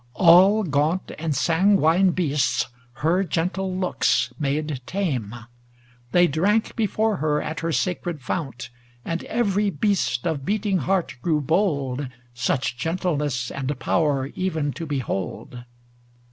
All gauut And sanguine beasts her gentle looks made tame ; They drank before her at her sacred fount; And every beast of beating heart grew bold, Such gentleness and power even to behold.